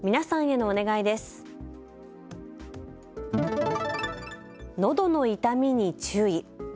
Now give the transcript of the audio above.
のどの痛みに注意。